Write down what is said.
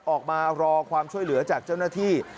ออกมารอความช่วยเหลือจากเจ้าหน้าที่